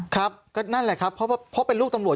ครับนั่นแหละครับเพราะว่าเพราะเป็นลูกตำรวจ